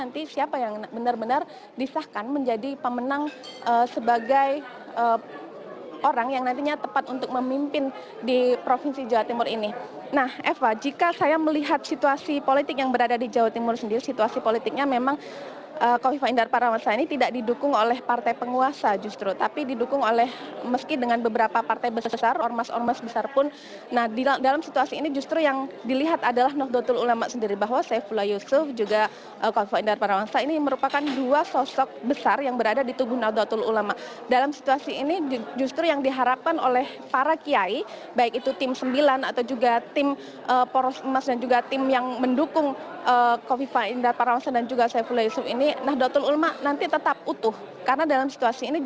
terima kasih terima kasih saya juga ingin terima kasih